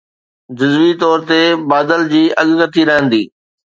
جزوي طور تي بادل جي اڳڪٿي رهندي